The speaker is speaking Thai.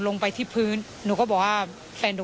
ส่วนรถที่นายสอนชัยขับอยู่ระหว่างการรอให้ตำรวจสอบ